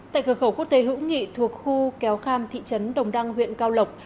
tại cửa khẩu quốc tế hữu nghị thuộc khu kéo kham thị trấn đồng đăng huyện cao lộc